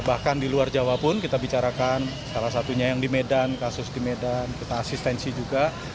bahkan di luar jawa pun kita bicarakan salah satunya yang di medan kasus di medan kita asistensi juga